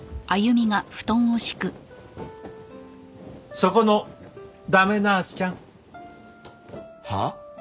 そこの駄目ナースちゃん。はあ？